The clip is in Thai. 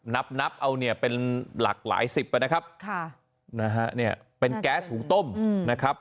นับเอาเป็นหลักหลายสิบไปนะครับเป็นแก๊สหูต้มนะครับ